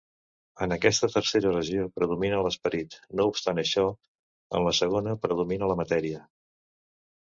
En aquesta Tercera Regió predomina l'esperit, no obstant això, en la Segona, predomina la matèria.